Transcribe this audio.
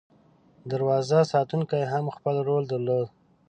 دروازه ساتونکي هم خپل رول درلود.